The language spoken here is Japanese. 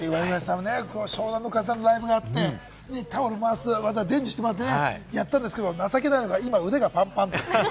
湘南乃風さんのライブがあって、タオル回す技を伝授してもらってやったんですけれども、情けないのが、今、腕がパンパンっていうね。